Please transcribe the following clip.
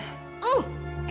tunggu aku ambil kidung